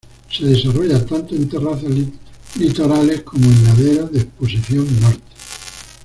Se desarrolla tanto en terrazas litorales como en laderas de exposición norte.